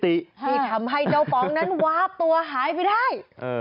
ที่ทำให้เจ้าป๋องนั้นวาบตัวหายไปได้